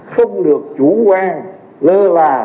không được chủ quan lơ là